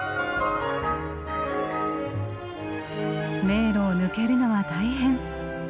迷路を抜けるのは大変。